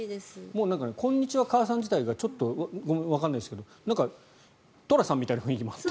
もう「こんにちは、母さん」自体がわからないですが寅さんみたいな雰囲気もあって。